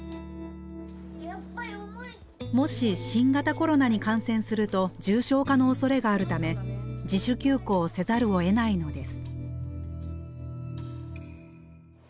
もし新型コロナに感染すると重症化のおそれがあるため自主休校せざるをえないのです。